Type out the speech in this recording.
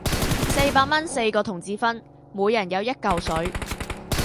四百蚊四個同志分，每人有一舊水